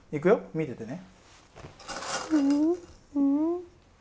見ててね。